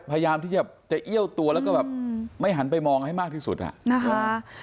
พยายามที่จะเอี้ยวตัวแล้วก็แบบไม่หันไปมองให้มากที่สุดอ่ะนะคะ